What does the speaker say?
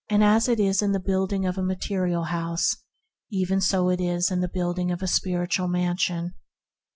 As it is in the building of a material house, even so is it in the building of a spiritual mansion.